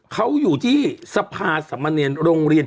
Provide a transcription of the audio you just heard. เขาอยู่ที่สภาสมเนรโรงเรียน